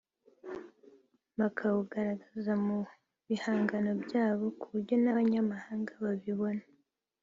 bakawugaragaza mu bihangano byabo kuburyo n’abanyamahanga babibona